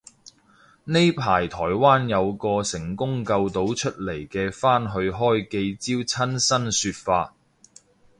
呢排台灣有個成功救到出嚟嘅返去開記招親身說法